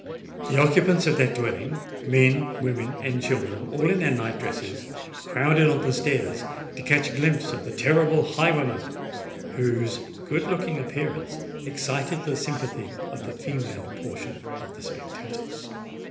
The occupants of that dwelling—men, women, and children, all in their night dresses—crowded on the stairs to catch a glimpse of the "terrible highwayman," whose good looking appearance excited the sympathy of the female portion of the spectators.